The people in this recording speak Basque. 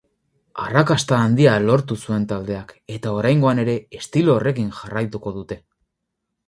Arrakasta handia lortu zuen taldeak, eta oraingoan ere estilo horrekin jarraituko dute.